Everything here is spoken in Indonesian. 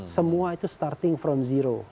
semua itu starting from zero